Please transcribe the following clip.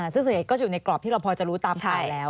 ซึ่งส่วนใหญ่ก็อยู่ในกรอบที่เราพอจะรู้ตามข่าวแล้ว